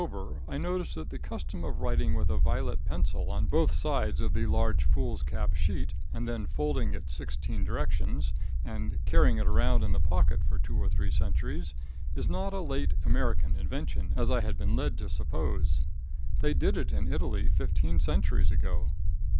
over, I noticed that the custom of writing with a violet pencil on both sides of the large foolscap sheet, and then folding it in sixteen directions and carrying it around in the pocket for two or three centuries, is not a late American invention, as I had been led to suppose. They did it in Italy fifteen centuries ago.